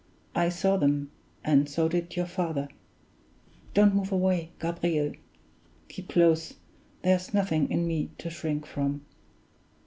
I saw them, and so did your father (don't move away, Gabriel; keep close, there's nothing in me to shrink from).